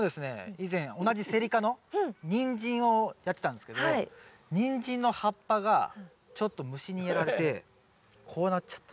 以前同じセリ科のニンジンをやってたんですけどニンジンの葉っぱがちょっと虫にやられてこうなっちゃった。